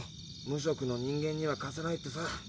「無職の人間には貸せない」ってさ。